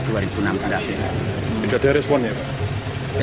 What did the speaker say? tidak ada responnya